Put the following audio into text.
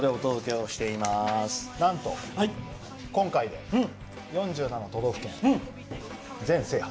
なんと今回で４７都道府県全制覇。